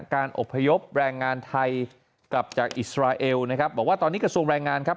การอบพยพแรงงานไทยกลับจากอิสราเอลนะครับบอกว่าตอนนี้กระทรวงแรงงานครับ